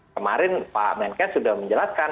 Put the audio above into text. kemarin pak menkes sudah menjelaskan